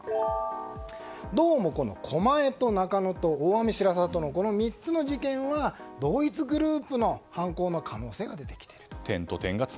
どうも狛江と中野と大網白里は３つの事件は同一グループの犯行の可能性がでてきていると。